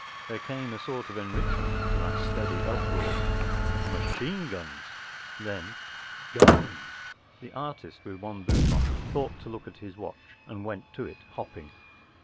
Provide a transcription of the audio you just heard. ” There came a sort of enrichment to that steady uproar. “ Machine guns ! ” Then, “ Guns ! ” The artist, with one boot on, thought to look at his watch, and went to it hopping.